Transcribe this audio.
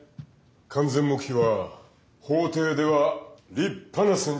完全黙秘は法廷では立派な戦術だ。